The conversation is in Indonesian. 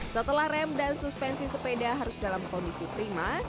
setelah rem dan suspensi sepeda harus dalam kondisi prima